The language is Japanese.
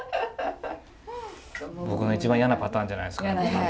僕の一番嫌なパターンじゃないですか。